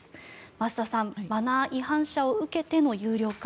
増田さんマナー違反者を受けての有料化。